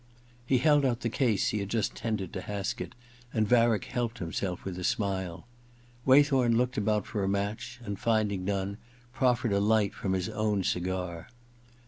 * He held out the case he had just tendered to Haskett, and Varick helped himself with a smile. Waythorn looked about for a match, and finding none, proffered a light from his own cigar.